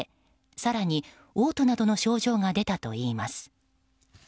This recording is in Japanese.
更に、嘔吐などの症状が出たといいます。